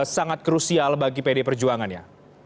sangat krusial bagi pd perjuangan ya